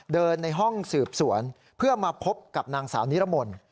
ในห้องสืบสวนเพื่อมาพบกับนางสาวนิรมนต์